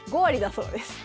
そうですね。